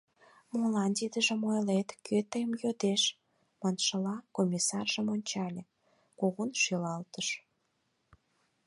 «Молан тидыжым ойлет, кӧ тыйым йодеш?» маншыла «комиссаржым» ончале, кугун шӱлалтыш.